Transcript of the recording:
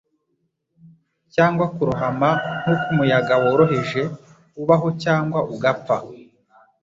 Cyangwa kurohama nkuko umuyaga woroheje ubaho cyangwa ugapfa;